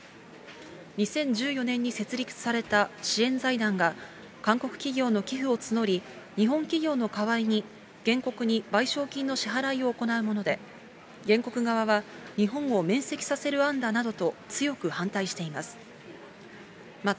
２０１４年に設立された支援財団が韓国企業の寄付を募り、日本企業の代わりに原告に賠償金の支払いを行うもので、原告側は日本を免責させる案だなどと強く反対しています。